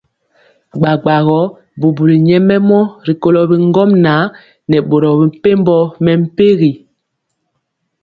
Bgabgagɔ bubuli nyɛmemɔ rikolo bi ŋgomnaŋ nɛ boro mepempɔ mɛmpegi.